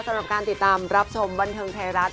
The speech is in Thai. สำหรับการติดตามรับชมบันเทิงไทยรัฐ